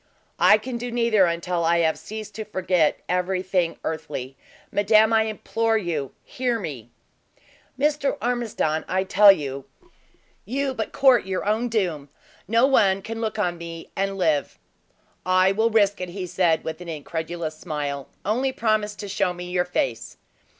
"I can do neither until I have ceased to forget every thing earthly. Madame, I implore you, hear me!" "Mr. Ormiston, I tell you, you but court your own doom. No one can look on me and live!" "I will risk it," he said with an incredulous smile. "Only promise to show me your face."